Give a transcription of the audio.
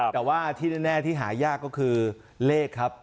แต่ว่าที่แน่ที่หายากก็คือเลขครับ